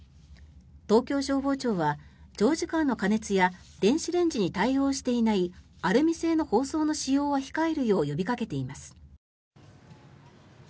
東京消防庁は、長時間の加熱や電子レンジに対応していないアルミ製の包装の使用は控えるよう呼びかけています。